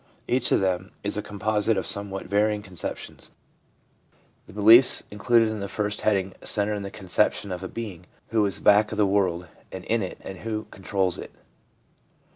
Each of them is a composite of somewhat varying conceptions. The beliefs included in the first heading centre in the conception of a Being who is back ADULT LIFE— BELIEFS 3 t 3 of the world and in it, and who controls it.